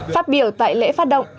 phát biểu tại lễ phát động